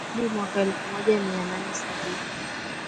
hadi mwaka elfu moja mia nane sabin